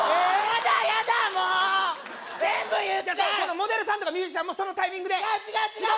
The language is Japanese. モデルさんとかミュージシャンもそのタイミングで違う違う違う！